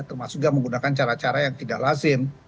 termasuk juga menggunakan cara cara yang tidak lazim